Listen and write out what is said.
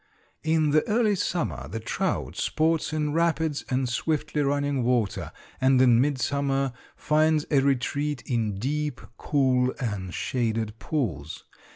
In the early summer the trout sports in rapids and swiftly running water, and in midsummer finds a retreat in deep, cool, and shaded pools.